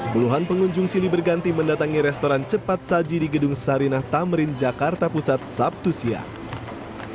puluhan pengunjung silih berganti mendatangi restoran cepat saji di gedung sarinah tamrin jakarta pusat sabtu siang